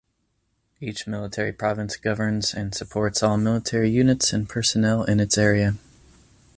Each military province governs and supports all military units and personnel in its area.